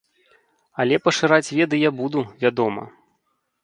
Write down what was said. Але пашыраць веды я буду, вядома.